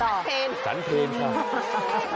สันเพลสันเพลครับ